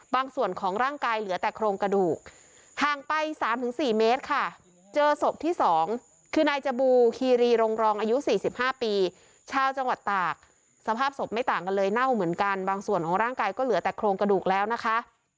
ส่วนของร่างกายเหลือแต่โครงกระดูกห่างไป๓๔เมตรค่ะเจอศพที่๒คือนายจบูคีรีรงรองอายุ๔๕ปีชาวจังหวัดตากสภาพศพไม่ต่างกันเลยเน่าเหมือนกันบางส่วนของร่างกายก็เหลือแต่โครงกระดูกแล้วนะคะ